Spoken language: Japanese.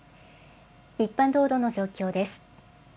一般道路の状況です。